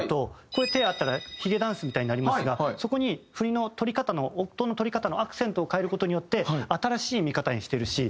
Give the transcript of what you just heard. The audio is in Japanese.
これで手があったらヒゲダンスみたいになりますがそこに振りの取り方の音の取り方のアクセントを変える事によって新しい見方にしているし。